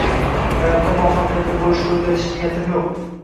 Hayotda muvaffaqiyatli bo’lishga o’rgatish niyatim yo’q.